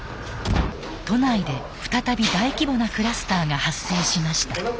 都内で再び大規模なクラスターが発生しました。